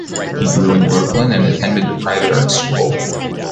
He grew in Brooklyn and attended a private arts school.